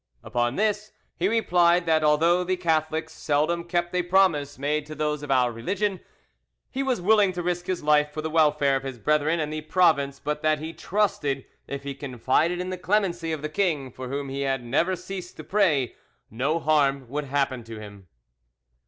"Upon this he replied, that although the Catholics seldom kept a promise made to those of our religion, he was willing to risk his life for the welfare of his brethren and the province but that he trusted if he confided in the clemency of the king for whom he had never ceased to pray, no harm would happen him."